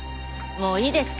もういいですか？